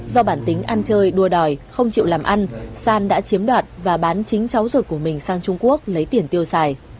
do bản tính ăn chơi đua đòi không chịu làm ăn san đã chiếm đoạt và bán chính cháu ruột của mình sang trung quốc lấy tiền tiêu xài